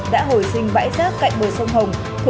đã hồi sinh vãi xác cạnh bờ sông hồ